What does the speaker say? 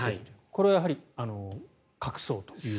これはやはり、隠そうという。